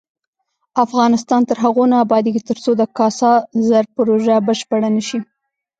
افغانستان تر هغو نه ابادیږي، ترڅو د کاسا زر پروژه بشپړه نشي.